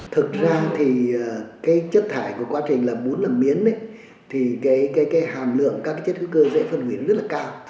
thực ra chất thải của quá trình làm bún làm miến thì hàm lượng các chất hữu cơ dễ phân hủy rất cao